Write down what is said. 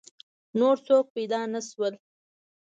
نور څوک پیدا نه شول.